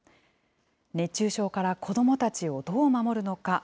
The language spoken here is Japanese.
熱中症から子どもたちをどう守るのか。